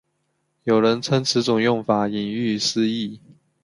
有人称此种用法引喻失义。